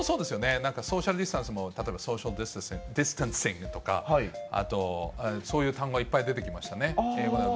なんかソーシャルディスタンスも、例えばソーシャル・ディスタンシングとか、あとそういう単語がいっぱい出てきましたね、英語でも。